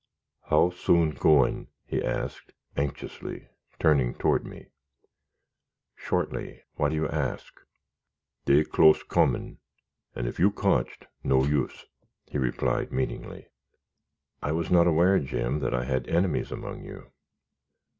"How soon goin'?" he asked, anxiously, turning toward me. "Shortly; why do you ask?" "Day clus comin', and if you cotched, no use!" he replied, meaningly. "I was not aware, Jim, that I had enemies among you."